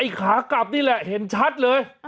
ขากลับนี่แหละเห็นชัดเลย